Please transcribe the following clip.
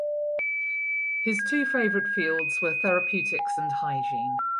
His two favourite fields were therapeutics and hygiene.